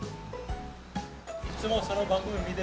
いつもその番組見てる。